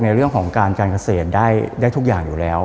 ในเรื่องของการการเกษตรได้ทุกอย่างอยู่แล้ว